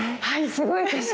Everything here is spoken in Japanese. すごい景色。